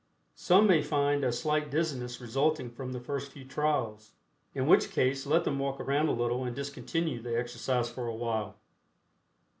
Some may find a slight dizziness resulting from the first few trials, in which case let them walk around a little and discontinue the exercise for a while.